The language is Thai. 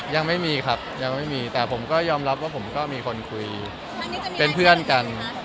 ยังไม่มีครับยังไม่มีแต่ผมก็ยอมรับว่าผมก็มีคนคุยเป็นเพื่อนกัน